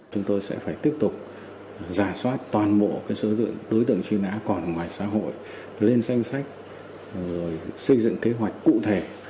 chúng tôi sẽ phải tiếp tục giả soát toàn bộ số đối tượng truy nã còn ngoài xã hội lên danh sách xây dựng kế hoạch cụ thể